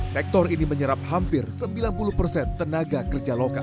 sektor ini menyerap hampir sembilan puluh persen tenaga kerja lokal